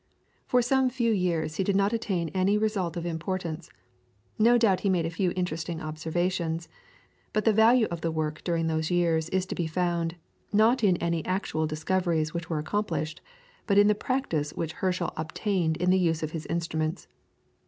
For some few years he did not attain any result of importance; no doubt he made a few interesting observations, but the value of the work during those years is to be found, not in any actual discoveries which were accomplished, but in the practice which Herschel obtained in the use of his instruments.